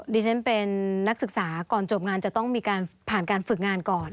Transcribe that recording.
ดิฉันเป็นนักศึกษาก่อนจบงานจะต้องมีการผ่านการฝึกงานก่อน